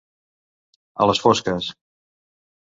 A les fosques.